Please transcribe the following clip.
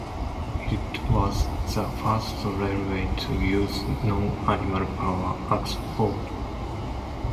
It was the first railway to use no animal power at all.